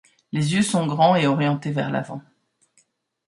Les yeux sont grands et orientés vers l'avant.